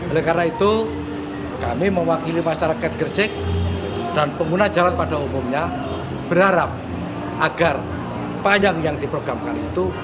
oleh karena itu kami mewakili masyarakat gresik dan pengguna jalan pada umumnya berharap agar payang yang diprogramkan itu